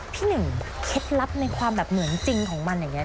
พี่หนึ่งเคล็ดลับในความแบบเหมือนจริงของมันอย่างนี้